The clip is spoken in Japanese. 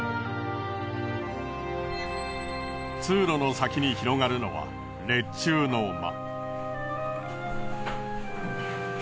通路の先に広がるのは列柱の間。